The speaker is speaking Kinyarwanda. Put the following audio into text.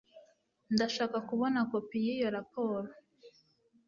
Ndashaka kubona kopi yiyo raporo